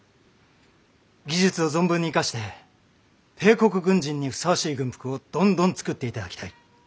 技術を存分に生かして帝国軍人にふさわしい軍服をどんどん作っていただきたい。